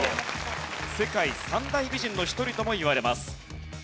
世界三大美人の一人ともいわれます。